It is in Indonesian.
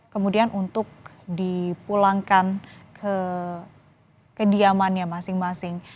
kemudian untuk dipulangkan ke kediamannya masing masing